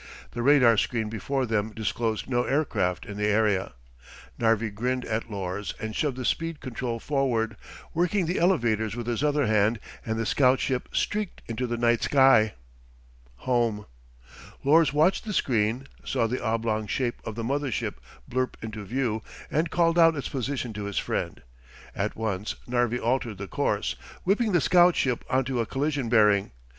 The radar screen before them disclosed no aircraft in the area. Narvi grinned at Lors and shoved the speed control forward, working the elevators with his other hand and the scout ship streaked into the night sky. Home. Lors, watching the screen, saw the oblong shape of the mother ship blurp into view and called out its position to his friend. At once, Narvi altered the course, whipping the scout ship onto a collision bearing.